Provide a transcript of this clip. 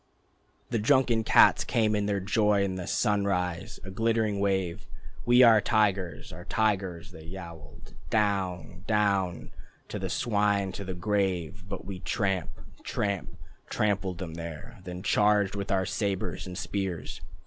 The drunken cats came in their joy In the sunrise, a glittering wave. "We are tigers, are tigers," they yowled. "Down, Down, Go the swine to the grave." But we tramp Tramp Trampled them there, Then charged with our sabres and spears.